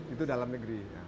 itu dalam negeri